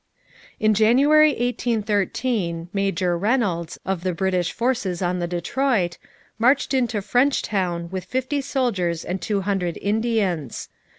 In January 1813 Major Reynolds, of the British forces on the Detroit, marched into Frenchtown with fifty soldiers and two hundred Indians.